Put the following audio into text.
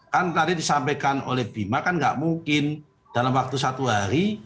kan tadi disampaikan oleh bima kan nggak mungkin dalam waktu satu hari